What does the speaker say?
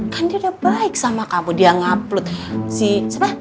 kan dia udah baik sama kamu dia yang upload si siapa